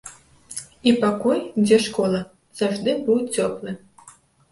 І пакой, дзе школа, заўжды быў цёплы.